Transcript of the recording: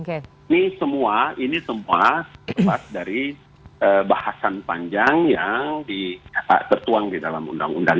ini semua ini semua bebas dari bahasan panjang yang tertuang di dalam undang undang